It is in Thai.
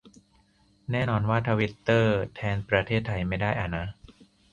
แน่นอนว่าทวิตเตอร์แทนประเทศไทยไม่ได้อะนะ